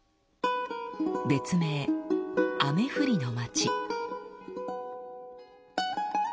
別名「雨降りの町」。